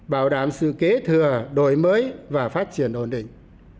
bảo đảm sự kế thừa đổi mới và phát triển ổn định